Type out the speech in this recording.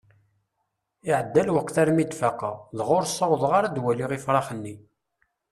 Iɛedda lweqt armi d-faqeɣ, dɣa ur sawḍeɣ ara ad waliɣ ifṛax-nni.